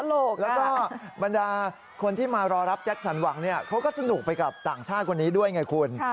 แล้วก็บรรดาคนที่มารอรับแจ็คสันหวังเขาก็สนุกไปกับต่างชาติคนนี้ด้วยไงคุณ